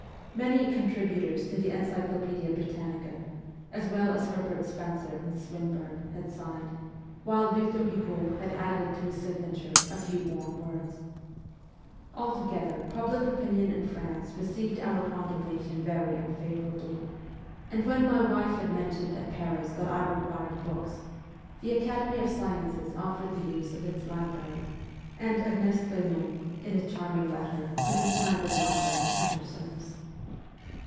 Many contributors to the ' Encyclopaedia Britannica,' as well as Herbert Spencer and Swinburne, had signed, while Victor Hugo had added to his signature a few warm words. Altogether, public opinion in France received our condemnation very unfavourably; and when my wife had mentioned at Paris that I required books, the Academy of Sciences offered the use of its library, and Ernest Benan, in a charming letter, put his private library at her service.